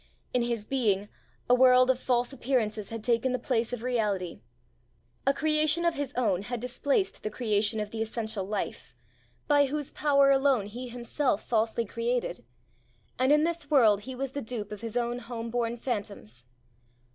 In his being, a world of false appearances had taken the place of reality; a creation of his own had displaced the creation of the essential Life, by whose power alone he himself falsely created; and in this world he was the dupe of his own home born phantoms.